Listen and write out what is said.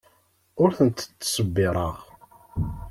Ur tent-ttṣebbireɣ.